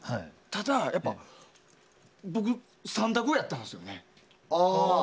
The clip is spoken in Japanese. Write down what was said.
ただ、僕は３択やったんですよね。